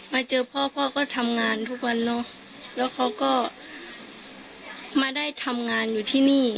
มาเจอพ่อพ่อก็ทำงานทุกวันเนอะแล้วเขาก็มาได้ทำงานอยู่ที่นี่